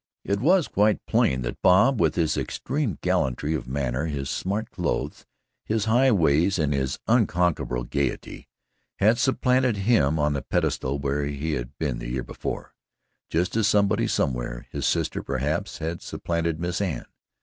It was quite plain that Bob, with his extreme gallantry of manner, his smart clothes, his high ways and his unconquerable gayety, had supplanted him on the pedestal where he had been the year before, just as somebody, somewhere his sister, perhaps had supplanted Miss Anne.